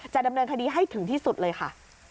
ดำเนินคดีให้ถึงที่สุดเลยค่ะ